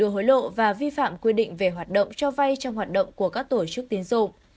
hối lộ và vi phạm quy định về hoạt động cho vay trong hoạt động của các tổ chức tiến dụng